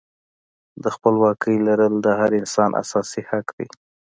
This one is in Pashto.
د خپلواکۍ لرل د هر انسان اساسي حق دی.